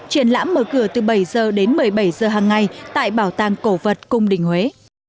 triển lãm mở cửa từ bảy giờ đến một mươi bảy giờ hằng ngày tại bảo tàng cổ vật cung đình huế